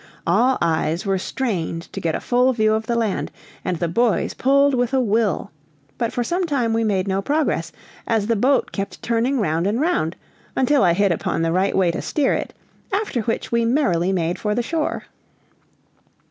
All eyes were strained to get a full view of the land, and the boys pulled with a will; but for some time we made no progress, as the boat kept turning round and round, until I hit upon the right way to steer it, after which we merrily made for the shore.